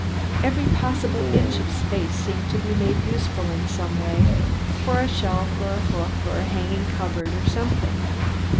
Every possible inch of space seemed to be made useful in some way, for a shelf or a hook or a hanging cupboard or something.